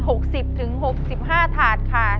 ก็คือ๖๐ถึง๖๕ถาดค่ะ